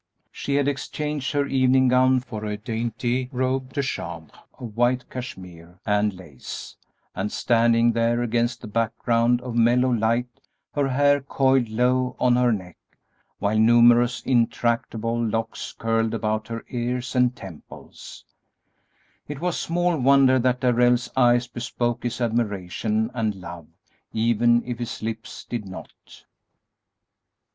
She had exchanged her evening gown for a dainty robe de chambre of white cashmere and lace, and, standing there against the background of mellow light, her hair coiled low on her neck, while numerous intractable locks curled about her ears and temples, it was small wonder that Darrell's eyes bespoke his admiration and love, even if his lips did not.